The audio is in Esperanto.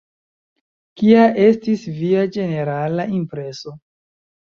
Kia estis via ĝenerala impreso?